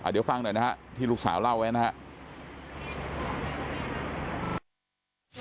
เดี๋ยวฟังหน่อยนะฮะที่ลูกสาวเล่าไว้นะครับ